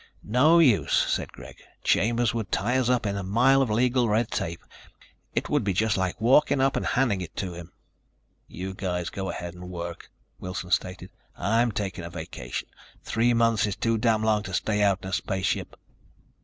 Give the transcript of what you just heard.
"No use," said Greg. "Chambers would tie us up in a mile of legal red tape. It would be just like walking up and handing it to him." "You guys go ahead and work," Wilson stated. "I'm taking a vacation. Three months is too damn long to stay out in a spaceship."